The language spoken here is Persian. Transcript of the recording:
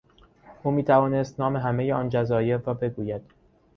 او میتوانست نام همهی آن جزایر را بگوید.